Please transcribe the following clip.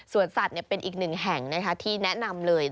สวรรค์สัตว์เนี่ยเป็นอีกหนึ่งแห่งนะคะที่แนะนำเลย